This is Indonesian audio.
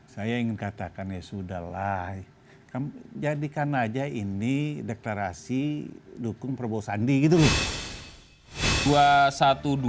saya ingin katakan ya sudah lah jadikan aja ini deklarasi dukung prabowo sandi gitu loh